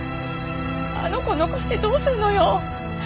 あの子残してどうするのよ！